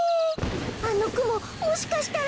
あのくももしかしたら。